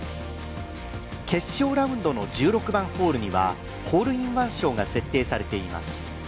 決勝ラウンドの１６番ホールには、ホールインワン賞が設定されています。